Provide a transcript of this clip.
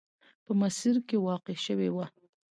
په مسیر کې واقع شوې وه.